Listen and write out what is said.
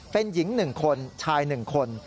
เป็นหญิง๑คนชาย๑คน